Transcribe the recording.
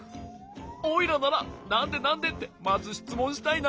おいらなら「なんで？なんで？」ってまずしつもんしたいな。